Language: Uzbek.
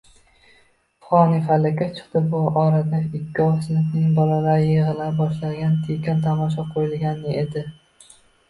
Figʻoni falakka chiqdi. Bu orada ikkov sinfning bolalari yigʻila boshlagan, tekin tomosha qoʻyilayotgan edi.